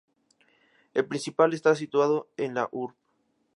El principal está situado en la Urb.